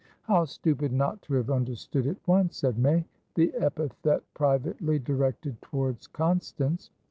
"How stupid not to have understood at once," said May, the epithet privately directed towards Constance.